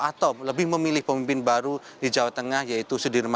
atau lebih memilih pemimpin baru di jawa tengah yaitu sudirman